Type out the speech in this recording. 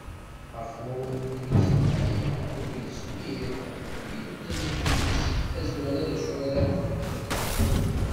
Ɣef wawal n wid yessnen Ai-Da, ur yezmir akk yiwen ad ihendez seg tazwara d acu ara d-texdem.